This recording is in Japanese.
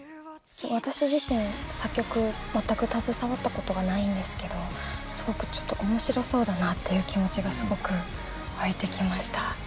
私自身作曲全く携わったことがないんですけどすごくちょっと面白そうだなっていう気持ちがすごく湧いてきました。